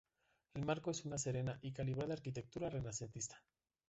El marco es una serena y calibrada arquitectura renacentista.